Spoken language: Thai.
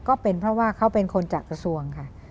ก็เป็นเพราะว่าเขาเป็นคนจากกระทรวงค่ะ